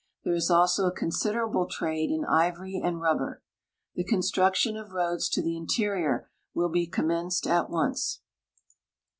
There is also a considerable trade in ivory and rubber. The construction of roads to the interior will be commenced at once.